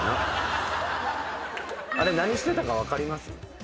あれ何してたか分かります？